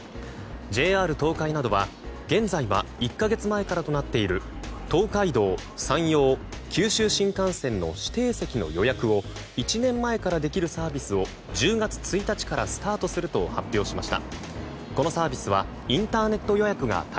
ＪＲ東海などは現在は１か月前からとなっている東海道・山陽・九州新幹線の指定席の予約を１年前からできるサービスを１０月１日からスタートすると発表しました。